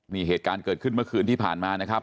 นี่เหตุการณ์เกิดขึ้นเมื่อคืนที่ผ่านมานะครับ